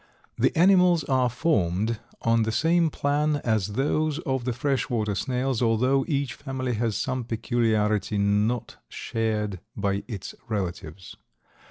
The animals are formed on the same plan as those of the fresh water snails, although each family has some peculiarity not shared by its relatives.